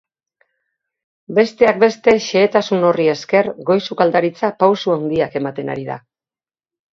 Besteak beste, xehetasun horri esker goi sukaldaritza pausu handiak ematen ari da.